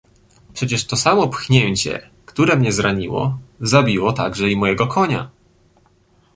"Przecież to samo pchnięcie, które mnie zraniło, zabiło także i mojego konia!"